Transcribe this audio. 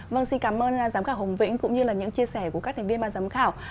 vâng xin cảm ơn giám khảo hồng vĩnh cũng như là những chia sẻ của các thành viên ban giám khảo